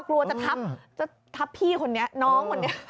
กลัวจะทับจะทับพี่คนนี้น้องคนนี้